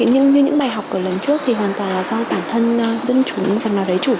nhưng như những bài học của lần trước thì hoàn toàn là do bản thân dân chủ một phần nào đấy chủ